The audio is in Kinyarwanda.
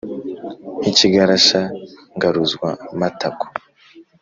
Nk ' ikigarasha ngaruzwamatako !